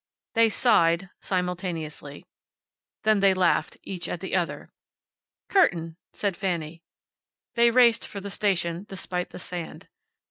They sighed, simultaneously. Then they laughed, each at the other. "Curtain," said Fanny. They raced for the station, despite the sand.